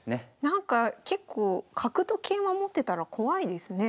なんか結構角と桂馬持ってたら怖いですね。